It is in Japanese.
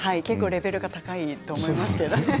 結構レベルが高いと思います。